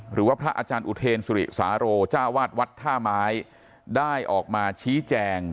พระอาจารย์อุเทนสุริสาโรจ้าวาดวัดท่าไม้ได้ออกมาชี้แจง